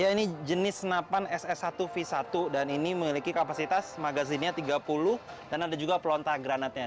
ini jenis senapan ss satu v satu dan ini memiliki kapasitas magazinnya tiga puluh dan ada juga pelonta granatnya